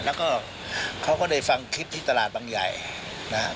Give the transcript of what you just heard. แล้วก็เขาก็ได้ฟังคลิปที่ตลาดบางใหญ่นะครับ